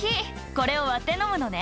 これを割って飲むのね」